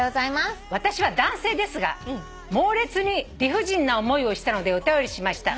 「私は男性ですが猛烈に理不尽な思いをしたのでお便りしました」